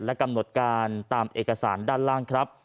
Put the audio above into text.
กำหนดการตามเอกสารด้านล่างครับ